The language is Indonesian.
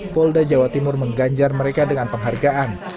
polda jawa timur mengganjar mereka dengan penghargaan